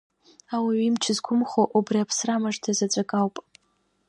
Ауаҩы имч зқәымхо убри аԥсра мыжда заҵәык ауп!